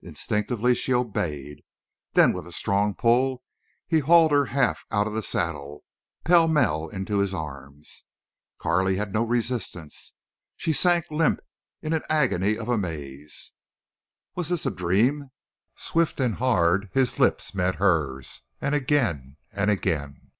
Instinctively she obeyed. Then with a strong pull he hauled her half out of the saddle, pellmell into his arms. Carley had no resistance. She sank limp, in an agony of amaze. Was this a dream? Swift and hard his lips met hers—and again—and again....